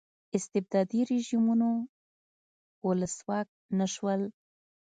استبدادي رژیمونو ولسواک نه شول.